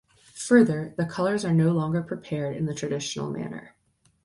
Further, the colours are no longer prepared in the traditional manner.